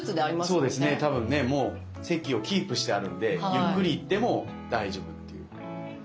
そうですね多分ねもう席をキープしてあるんでゆっくり行っても大丈夫っていう。